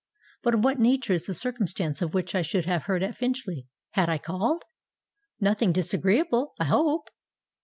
But of what nature is the circumstance of which I should have heard at Finchley, had I called? Nothing disagreeable, I hope?"